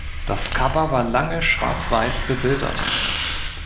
Das Cover war lange schwarz-weiß bebildert.